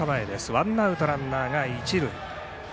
ワンアウトランナーが一塁。